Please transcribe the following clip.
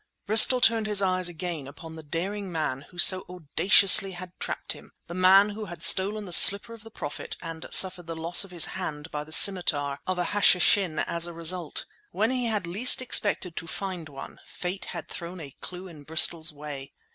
Bristol turned his eyes again upon the daring man who so audaciously had trapped him—the man who had stolen the slipper of the Prophet and suffered the loss of his hand by the scimitar of an Hashishin as a result. When he had least expected to find one, Fate had thrown a clue in Bristol's way.